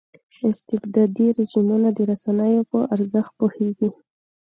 استبدادي رژیمونه د رسنیو په ارزښت پوهېږي.